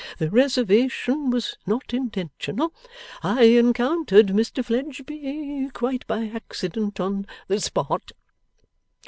The reservation was not intentional. I encountered Mr Fledgeby, quite by accident, on the spot.